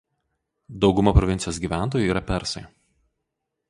Dauguma provincijos gyventojų yra persai.